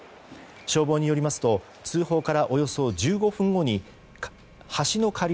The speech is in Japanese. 消防によりますと通報からおよそ１５分後に橋の下流